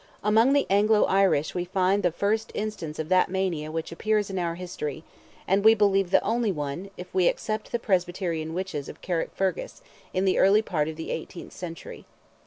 Among the Anglo Irish we find the first instance of that mania which appears in our history, and we believe the only one, if we except the Presbyterian witches of Carrickfergus, in the early part of the eighteenth century.